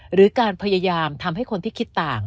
หรือการพยายามทำให้คนที่คิดต่าง